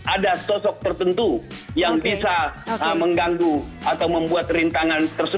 ada sosok tertentu yang bisa mengganggu atau membuat rintangan